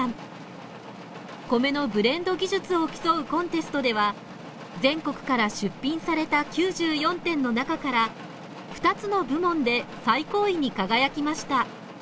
米のブレンド技術を競うコンテストでは全国から出品された９４点の中から２つの部門で最高位に輝きました。